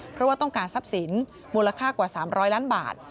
เพราะว่าต้องการทรัพย์สินมูลค่ากว่า๓๐๐ล้านบาท